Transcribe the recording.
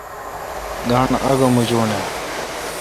گانٹھ آگہ موچوناں؟